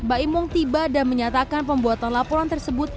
ba'i mung tiba dan menyatakan pembuatan laporan tersebut